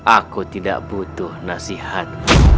aku tidak butuh nasihat